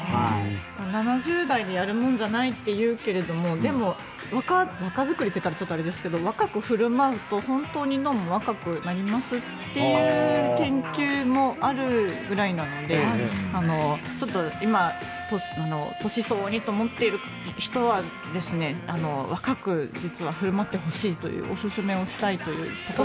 ７０代でやるもんじゃないというけれどでも、若作りと言ったらあれですが若く振る舞うと本当に脳も若くなりますという研究もあるぐらいなので今、年相応にと思っている人は若く実は振る舞ってほしいというおすすめをしたいということが。